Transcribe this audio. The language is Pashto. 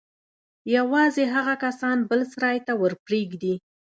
يوازې هغه کسان بل سراى ته ورپرېږدي.